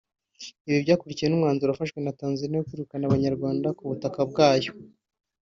Ibi byakurikiwe n’umwanzuro wafashwe na Tanzania wo kwirukana Abanyarwanda ku butaka bwayo